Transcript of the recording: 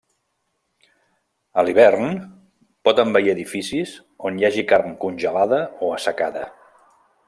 A l'hivern, pot envair edificis on hi hagi carn congelada o assecada.